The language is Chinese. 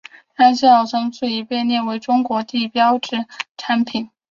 山西老陈醋已经被列为中国地理标志产品。